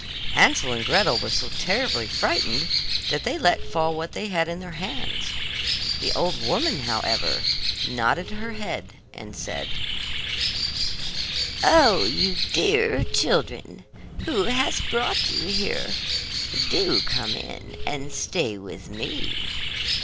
Hansel and Gretel were so terribly frightened that they let fall what they had in their hands. The old woman, however, nodded her head, and said: 'Oh, you dear children, who has brought you here? do come in, and stay with me.